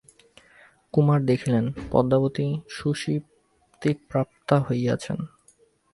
কুমার দেখিলেন পদ্মাবতী সুষুপ্তিপ্রাপ্তা হইয়াছেন।